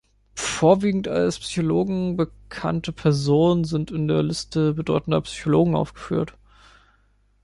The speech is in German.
Vorwiegend als Psychologen bekannte Personen sind in der "Liste bedeutender Psychologen" aufgeführt.